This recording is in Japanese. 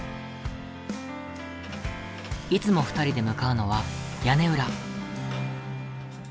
いつも２人で向かうのは屋根裏。